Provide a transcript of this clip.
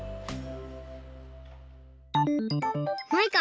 マイカ